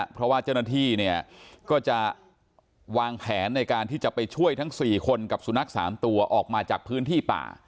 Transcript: เพราะว่าเจ้าหน้าที่เนี่ยก็จะวางแผนในการที่จะไปช่วยทั้ง๔คนกับสุนัข๓ตัวออกมาจากพื้นที่ป่า